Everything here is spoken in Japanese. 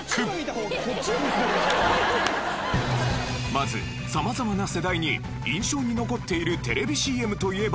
まず様々な世代に「印象に残っているテレビＣＭといえば？」と調査。